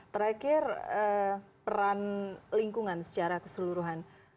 terakhir peran lingkungan secara keseluruhan